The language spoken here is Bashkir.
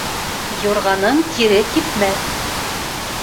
Юрғаның тире кипмәҫ.